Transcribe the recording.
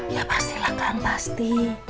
ya pastilah kang pasti